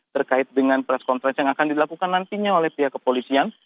terkait dengan press conference yang akan dilakukan nantinya oleh pihak kepolisian